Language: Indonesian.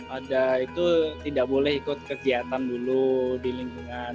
ada itu tidak boleh ikut kegiatan dulu di lingkungan